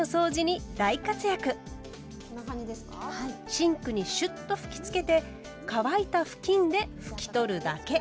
シンクにシュッと吹きつけて乾いた布巾で拭き取るだけ。